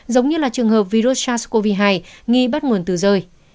giống như là trường hợp virus sars cov hai nghi bắt nguồn từ rơi